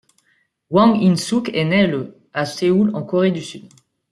Hwang In-suk est née le à Séoul en Corée du Sud.